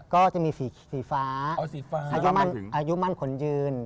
ก็จะมีสีฟ้าอายุมั่นขนยืน